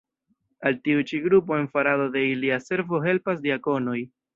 Al tiu ĉi grupo en farado de ilia servo helpas diakonoj.